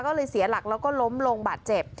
ก็เลยเสียหลักแล้วก็ล้มลงบาดเจ็บ